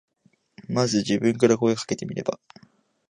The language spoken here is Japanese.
まず自分から声かけてみれば。